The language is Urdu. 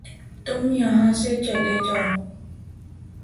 تم یہاں سے چلے جاؤ